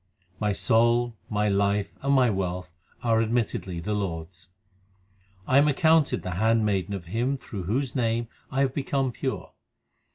My soul, my life, and my wealth are admittedly the Lord s. I am accounted the handmaiden of Him through whose Name I have become pure.